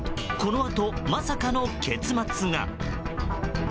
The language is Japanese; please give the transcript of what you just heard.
このあと、まさかの結末が。